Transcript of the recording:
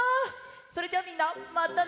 それじゃあみんなまたね！